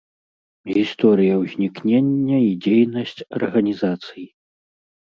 Гісторыя ўзнікнення і дзейнасць арганізацый.